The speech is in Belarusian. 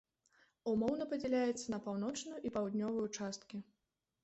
Умоўна падзяляецца на паўночную і паўднёвую часткі.